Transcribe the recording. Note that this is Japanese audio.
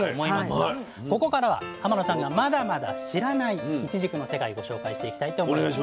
ここからは天野さんがまだまだ知らないいちじくの世界ご紹介していきたいと思います。